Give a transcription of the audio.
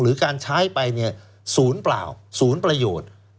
หรือการใช้ไปเนี่ยศูนย์เปล่าศูนย์ประโยชน์